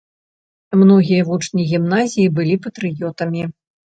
Многія вучні гімназіі былі патрыётамі.